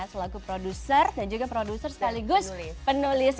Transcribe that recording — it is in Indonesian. selaku produser dan juga produser sekaligus penulis